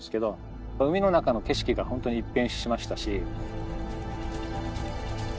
海の中の景色がホントに一変しましたし。